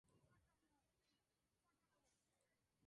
En casa de los Blanco, 'Cielo' y 'Walter Jr.